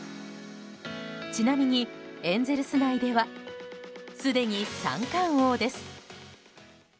ちなみにエンゼルス内ではすでに三冠王です。